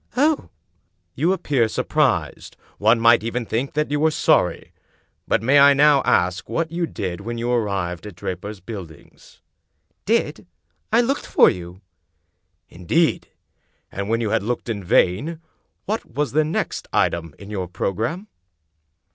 "Oh!" "You appear surprised. One might even think that you were sorry. But may I now ask what you did when you arrived at Draper's Buildings?" "Did! I looked for you!" " Indeed! And when you had looked in vain, what was the next item in your programme?"